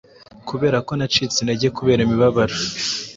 Kuberako nacitse intege kubera imibabaro,